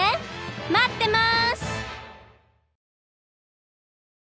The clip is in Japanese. まってます！